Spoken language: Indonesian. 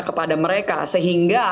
kepada mereka sehingga